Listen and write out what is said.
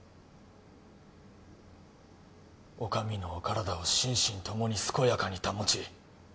お上のお体を心身ともに健やかに保ち